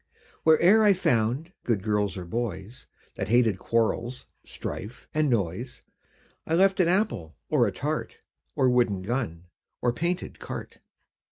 Where e'er I found good girls or boys, That hated quarrels, strife and noise, I left an apple, or a tart, Or wooden gun, or painted cart.